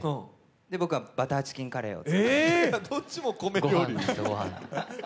僕はバターチキンカレーを作りました。